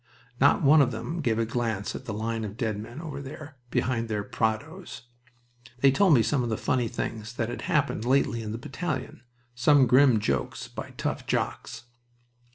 Not one of them gave a glance at the line of dead men over there, behind their parados. They told me some of the funny things that had happened lately in the battalion, some grim jokes by tough Jocks.